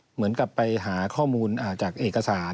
เหมือนกับไปหาข้อมูลจากเอกสาร